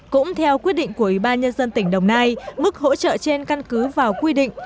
cũng theo quyết định của ubnd tỉnh đồng nai mức hỗ trợ trên căn cứ vào quy định